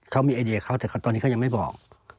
เขามีไอเดียเขาแต่ตอนนี้เขายังไม่บอก